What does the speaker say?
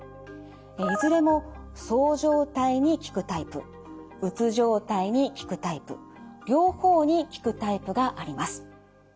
いずれもそう状態に効くタイプうつ状態に効くタイプ両方に効くタイプがあります。